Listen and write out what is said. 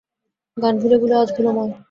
– গান ভুলে ভুলে আজ ভুলময়!